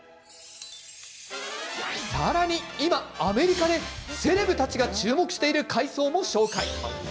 さらに、今アメリカでセレブたちが注目している海藻も紹介。